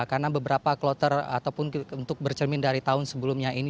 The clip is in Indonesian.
karena beberapa kloter ataupun untuk bercermin dari tahun sebelumnya ini